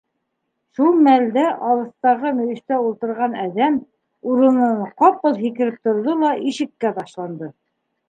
Шул мәлдә алыҫтағы мөйөштә ултырған әҙәм урынынан ҡапыл һикереп торҙо ла ишеккә ташланды.